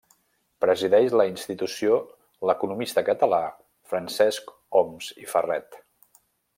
Presideix la Institució l'economista català Francesc Homs i Ferret.